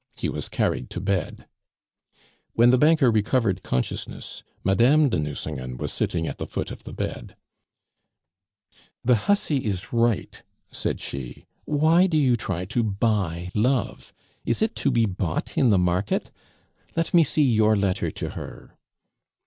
He was carried to bed. When the banker recovered consciousness, Madame de Nucingen was sitting at the foot of the bed. "The hussy is right!" said she. "Why do you try to buy love? Is it to be bought in the market! Let me see your letter to her."